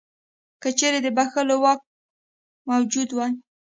که چیرې د بخښلو واک موجود وای.